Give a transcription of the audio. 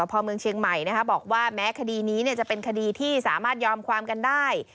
พอเมืองเชียงใหม่บอกว่าแม้คดีนี้จะเป็นคดีที่สามารถยอมความกันได้